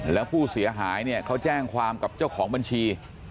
แล้วผู้เสียหายเนี่ยเขาแจ้งความกับเจ้าของบัญชี